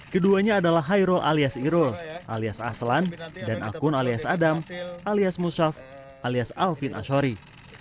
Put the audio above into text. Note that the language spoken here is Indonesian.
keduanya adalah hairul alias irul alias aslan dan akun alias adam alias musyaf alias alvin ashori